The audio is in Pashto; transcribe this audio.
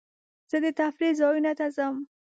زه د تفریح ځایونو ته ځم.